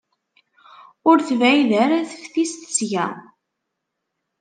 Ur tebɛid ara teftist seg-a.